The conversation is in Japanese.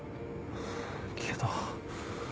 けど。